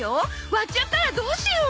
割っちゃったらどうしよう